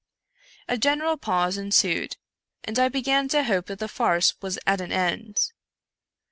A general pause ensued, and I began to hope that the farce was at an end.